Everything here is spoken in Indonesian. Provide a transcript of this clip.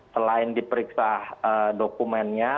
selain diperiksa dokumennya